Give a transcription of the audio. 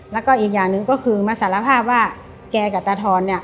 แล้วก็อีกอย่างหนึ่งก็คือมาสารภาพว่าแกกับตาทอนเนี่ย